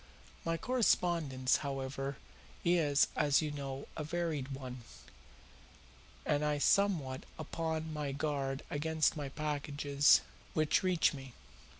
My correspondence, however, is, as you know, a varied one, and I am somewhat upon my guard against any packages which reach me.